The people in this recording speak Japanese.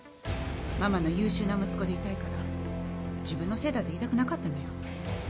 ママの優秀な息子でいたいから自分のせいだって言いたくなかったのよ。